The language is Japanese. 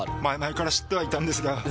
前々から知ってはいたんですが。